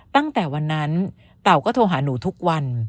ตั้งแต่วันนั้นเต่าก็โทรหาหนูทุกวัน